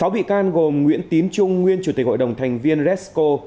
sáu bị can gồm nguyễn tín trung nguyên chủ tịch hội đồng thành viên resco